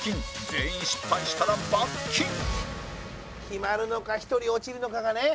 全員失敗したら罰金決まるのか１人落ちるのかがね。